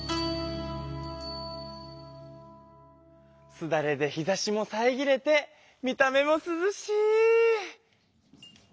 すだれで日ざしもさえぎれて見た目もすずしい！